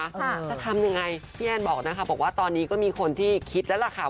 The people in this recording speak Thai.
ค่ะจะทำยังไงพี่แอนบอกนะคะบอกว่าตอนนี้ก็มีคนที่คิดแล้วล่ะค่ะ